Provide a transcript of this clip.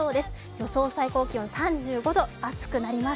予想最高気温３５度暑くなります。